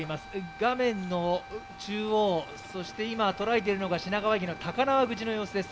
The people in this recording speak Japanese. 画面の中央そして今捉えているのが品川駅の高輪口の様子です。